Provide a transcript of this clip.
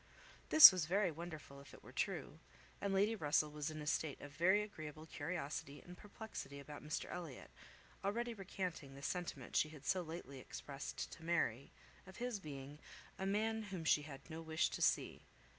This was very wonderful if it were true; and Lady Russell was in a state of very agreeable curiosity and perplexity about Mr Elliot, already recanting the sentiment she had so lately expressed to Mary, of his being "a man whom she had no wish to see."